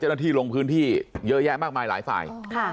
เจ้าหน้าที่ลงพื้นที่เยอะแยะมากมายหลายฝ่าย